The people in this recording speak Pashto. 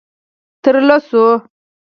_تر لسو.